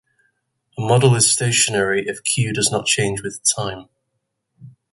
A model is stationary if "Q" does not change with time.